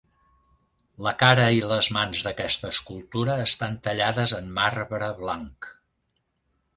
La cara i les mans d'aquesta escultura estan tallades en marbre blanc.